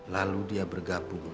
lalu dia bergabung